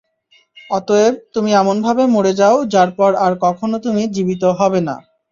অতএব, তুমি এমনভাবে মরে যাও, যারপর আর কখনো তুমি জীবিত হবে না।